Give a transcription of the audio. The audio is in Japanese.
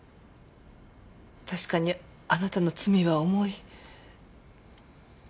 確かにあなたの罪は重い。